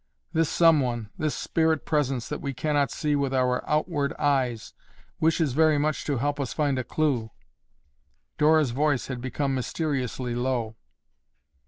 This someone, this spirit presence that we cannot see with our outward eyes, wishes very much to help us find a clue." Dora's voice had become mysteriously low.